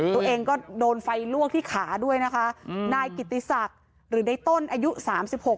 ตัวเองก็โดนไฟลวกที่ขาด้วยนะคะอืมนายกิติศักดิ์หรือในต้นอายุสามสิบหก